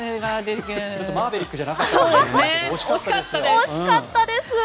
マーヴェリックじゃなかったですね。